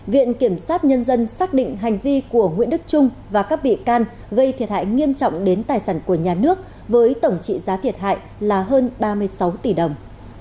viện kiểm sát nhân dân xác định hành vi của nguyễn đức trung và các bị can gây thiệt hại nghiêm trọng đến tài sản của nhà nước với tổng trị giá thiệt hại là hơn ba mươi sáu tỷ đồng